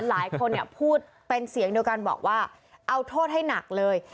หลายคนเนี่ยพูดเป็นเสียงเดียวกันบอกว่าเอาโทษให้หนักเลย